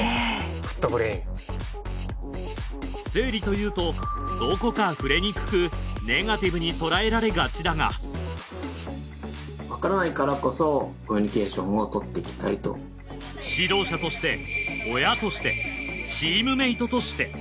生理というとどこか触れにくくネガティブにとらえられがちだが指導者として親としてチームメイトとして。